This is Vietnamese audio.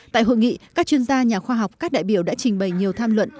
tại hội nghị các chuyên gia nhà khoa học các đại biểu đã trình bày nhiều tham luận